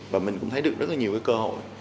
và mình cũng thấy được rất là nhiều cái cơ hội